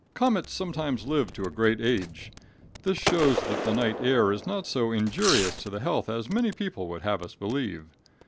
Comets sometimes live to a great age. This shows that the night air is not so injurious to the health as many people would have us believe.